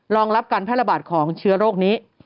รองรับการแพร่ระบาดของเชื้อโรคนี้